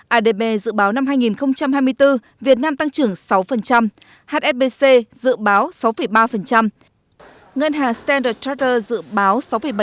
adb dự báo năm hai nghìn hai mươi bốn việt nam tăng trưởng sáu hsbc dự báo sáu ba ngân hàng standard trater dự báo sáu bảy